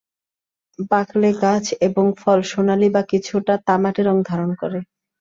পাকলে গাছ এবং ফল সোনালী বা কিছুটা তামাটে রং ধারণ করে।